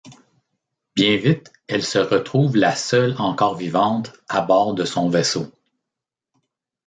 Bien vite, elle se retrouve la seule encore vivante à bord de son vaisseau.